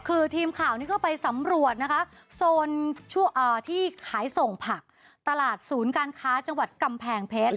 คือทีมข่าวนี้ก็ไปสำรวจนะคะโซนที่ขายส่งผักตลาดศูนย์การค้าจังหวัดกำแพงเพชร